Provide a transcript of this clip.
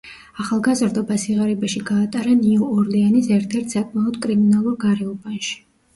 ახალგაზრდობა სიღარიბეში გაატარა ნიუ-ორლეანის ერთ-ერთ საკმაოდ კრიმინალურ გარეუბანში.